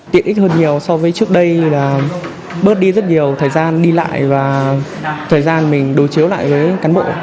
tiện ích hơn nhiều so với trước đây là bớt đi rất nhiều thời gian đi lại và thời gian mình đối chiếu lại với cán bộ